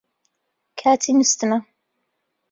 کاتی نووستنە